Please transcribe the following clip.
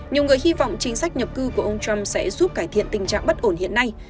nhiều người hy vọng chính sách nhập cư của ông trump sẽ giúp cải thiện tình trạng bất ổn hiện nay